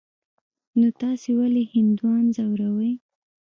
نو تاسې ولي هندوان ځوروئ.